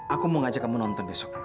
aku mau ngajak kamu nonton besok